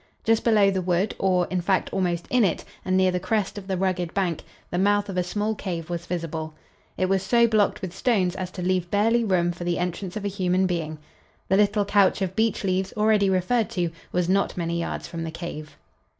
Just below the wood, or, in fact, almost in it and near the crest of the rugged bank, the mouth of a small cave was visible. It was so blocked with stones as to leave barely room for the entrance of a human being. The little couch of beech leaves already referred to was not many yards from the cave.